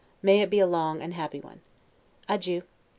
May it be a long and happy one. Adieu.